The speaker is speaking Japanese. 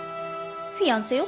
フィアンセよ。